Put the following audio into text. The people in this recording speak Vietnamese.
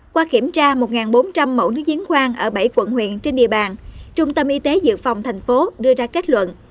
qua kiểm tra một bốn trăm linh mẫu nước diễn khoan ở bảy quận huyện trên địa bàn trung tâm y tế dự phòng thành phố đưa ra kết luận